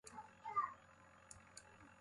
اُپارے سوباجیْ اکو مجیْ ڙِیل ڙکل نہ تِھیا۔